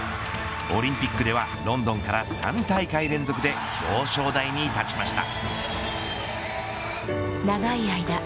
オリンピックではロンドンから３大会連続で表彰台に立ちました。